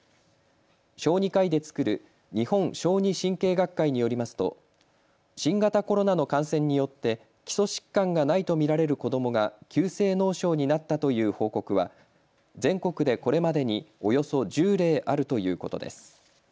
小児科医で作る日本小児神経学会によりますと新型コロナの感染によって基礎疾患がないと見られる子どもが急性脳症になったという報告は全国でこれまでにおよそ１０例あるということです。